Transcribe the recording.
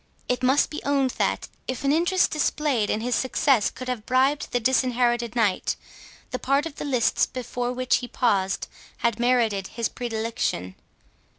It must be owned, that if an interest displayed in his success could have bribed the Disinherited Knight, the part of the lists before which he paused had merited his predilection.